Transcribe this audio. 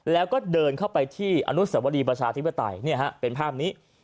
แล้วก็เดินเข้าไปที่อนุสวรีประชาธิปไตยเป็นภาพนี้